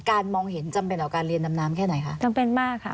มองเห็นจำเป็นต่อการเรียนดำน้ำแค่ไหนคะจำเป็นมากค่ะ